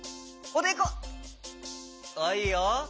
おおいいよ。